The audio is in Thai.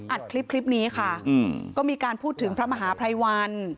อัดคลิปคลิปนี้ค่ะก็มีการพูดถึงพระมหาภัยวันศ์